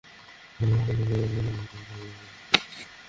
নারী পুলিশের সঙ্গে পাঠিয়ে থানায় মামলা দায়েরসহ অন্যান্য সহযোগিতা করা হয়।